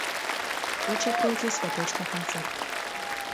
Тут жа пройдзе святочны канцэрт.